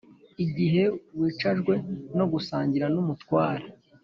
Igihe wicajwe no gusangira n’umutware